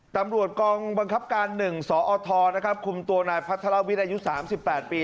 ตำรวจกองบังคับการ๑สอทคุมตัวนายพัทรวิทย์อายุ๓๘ปี